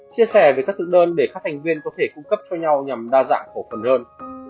chia sẻ về các thực đơn để các thành viên có thể cung cấp cho nhau nhằm đa dạng cổ phần hơn